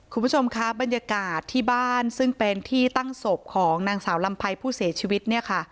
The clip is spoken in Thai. คุณผู้ชมคะบรรยากาศที่บ้านซึ่งเป็นที่ตั้งศพของนางสาวลำไพรผู้เสียชีวิตเนี่ยค่ะ